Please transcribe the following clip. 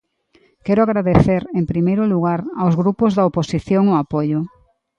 Quero agradecer, en primeiro lugar, aos grupos da oposición o apoio.